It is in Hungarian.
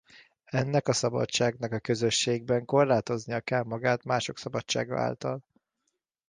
Ennek a szabadságnak a közösségben korlátoznia kell magát mások szabadsága által.